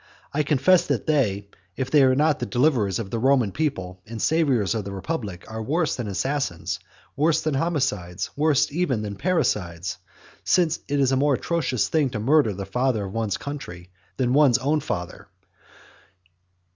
I confess that they, if they be not deliverers of the Roman people and saviours of the republic, are worse than assassins, worse than homicides, worse even than parricides: since it is a more atrocious thing to murder the father of one's country, than one's own father.